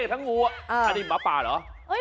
อันนี้มะป่าเหรอ